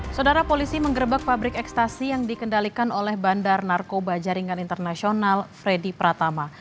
saudara polisi menggerbek pabrik ekstasi yang dikendalikan oleh bandar narkoba jaringan internasional freddy pratama